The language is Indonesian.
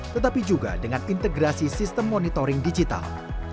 tetapi juga dengan integrasi sistem monitoring digital